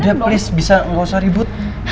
udah please nggak usah ribut